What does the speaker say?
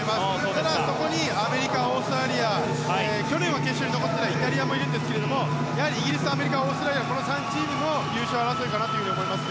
ただ、そこにアメリカ、オーストラリア去年は決勝に残っていないイタリアもいますがイギリス、アメリカオーストラリアの３チームの優勝争いだと思います。